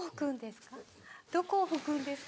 どこを拭くんですか？